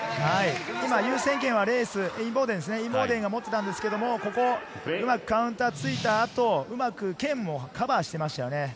今、優先権はインボーデンが持っていたんですけれど、ここ、うまくカウンターを突いた後、うまく剣をカバーしていましたね。